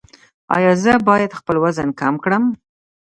ایا زه باید خپل وزن کم کړم؟